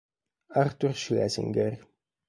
Arthur Schlesinger